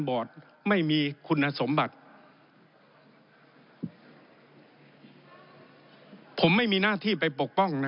ไม่มีคุณสมบัติผมไม่มีหน้าที่ไปปกป้องนะ